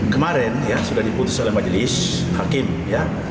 kemarin ya sudah diputus oleh majelis hakim ya